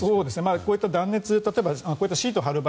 こういった断熱例えば、こういうシートを張る場合